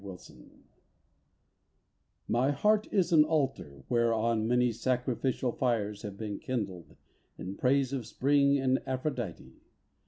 THE ALTAR My heart is an altar whereon Many sacrificial fires have been kindled In praise of spring and Aphrodite.